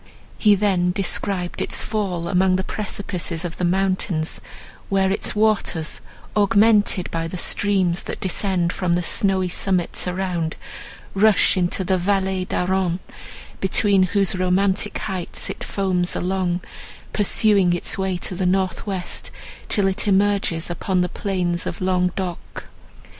He then described its fall among the precipices of the mountains, where its waters, augmented by the streams that descend from the snowy summits around, rush into the Vallée d'Aran, between whose romantic heights it foams along, pursuing its way to the north west till it emerges upon the plains of Languedoc.